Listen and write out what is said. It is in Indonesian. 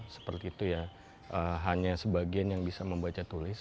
seperti itu ya hanya sebagian yang bisa membaca tulis